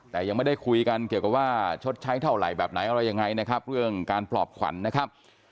แต่ยังไม่ได้คุยกันเกี่ยวกับว่าชดใช้เท่าไหร่แบบไหนอะไรยังไงนะครับเรื่องการปลอบขวัญนะครับ